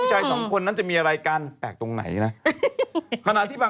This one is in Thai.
มีชาวฮ่องกงจนรุนไม่น้อยเลยนะครับ